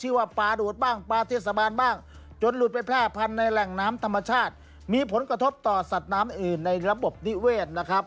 หน้าตาแบบนี้นี่ไม่ไหวนะตอนเห็นหน้าเห็นตาเฉยนะ